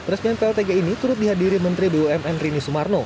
resmian pltg ini turut dihadiri menteri bumn rini sumarno